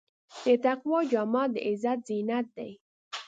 د تقوی جامه د عزت زینت دی.